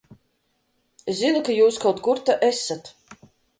Es zinu, ka jūs kaut kur te esat!